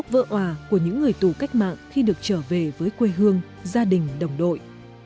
vợ hòa của những người tù cách mạng khi được trở về với quê hương gia đình đồng đội